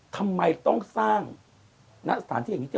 ทำไมต้องสร้างสถานที่อย่างนี้